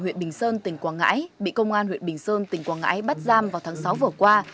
huyện bình sơn tỉnh quảng ngãi bị công an huyện bình sơn tỉnh quảng ngãi bắt giam vào tháng sáu vừa qua